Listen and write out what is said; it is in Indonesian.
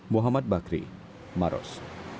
muhammad bakri maros